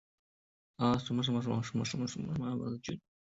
哈德逊郡是纽泽西州内人口密度最高的郡。